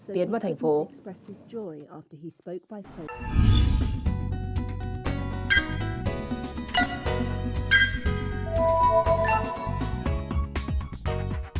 tiến vào thành phố